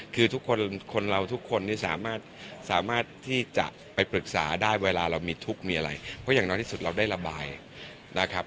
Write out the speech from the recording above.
คือทุกคนคนเราทุกคนนี่สามารถที่จะไปปรึกษาได้เวลาเรามีทุกข์มีอะไรเพราะอย่างน้อยที่สุดเราได้ระบายนะครับ